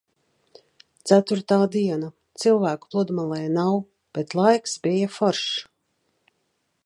Ceturtā diena. Cilvēku pludmalē nav, bet laiks bija foršs.